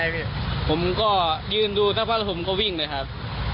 ผมก็ยืนดูทะพะธุมก็วิ่งเลยครับ